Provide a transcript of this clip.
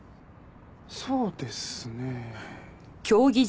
そうですねえ。